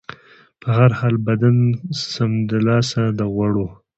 په هر حال، بدن سمدلاسه د غوړو